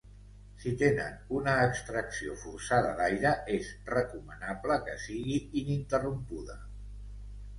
Si tenen una extracció forçada d’aire, és recomanable que sigui ininterrompuda.